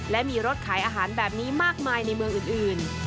และมีรถขายอาหารแบบนี้มากมายในเมืองอื่น